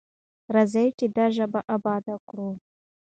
راځئ چې دا ژبه اباده کړو.